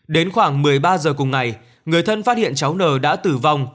đến khoảng một mươi ba h cùng ngày người thân phát hiện cháu n đã tử vong